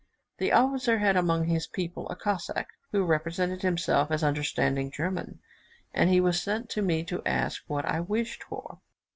The officer had among his people a Cossack, who represented himself as understanding German, and he was sent to me to ask what I wished for.